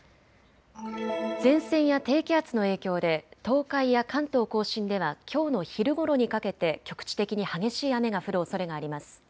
前線や低気圧の影響で東海や関東甲信ではきょうの昼ごろにかけて局地的に激しい雨が降るおそれがあります。